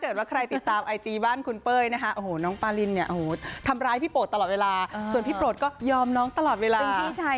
เผื่อว่าใครติดตามไอจีบ้านคุณเป้ยนะคะ